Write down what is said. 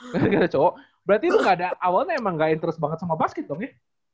gara gara cowo berarti lu nggak ada awalnya emang nggak interest banget sama basket dong ya